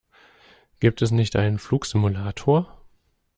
Gibt es nicht einen Flugsimulator?